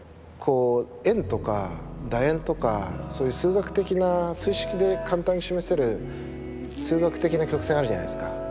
円とかだ円とかそういう数学的な数式で簡単に示せる数学的な曲線あるじゃないですか。